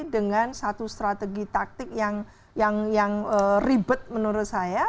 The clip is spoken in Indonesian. dengan satu strategi taktik yang ribet menurut saya